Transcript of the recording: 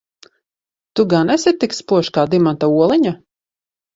Tu gan esi tik spožs kā dimanta oliņa?